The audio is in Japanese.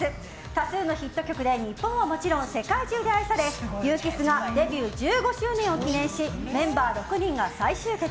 多数のヒット曲で日本はもちろん世界中で愛されＵＫＩＳＳがデビュー１５周年を記念しメンバー６人が再集結